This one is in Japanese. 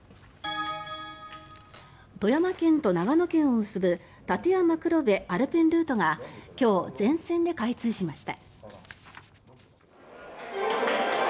富山県と長野県を結ぶ立山黒部アルペンルートが今日、全線で開通しました。